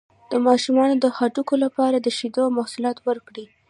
د ماشوم د هډوکو لپاره د شیدو محصولات ورکړئ